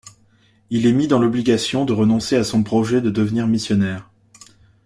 Il est mis dans l'obligation de renoncer à son projet de devenir missionnaire.